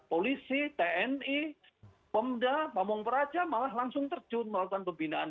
polisi tni pemda pamung peraja malah langsung terjun melakukan pembinaan